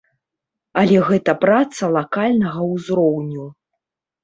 Але гэта праца лакальнага ўзроўню.